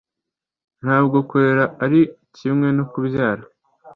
ntabwo kurera ari kimwe no kubyara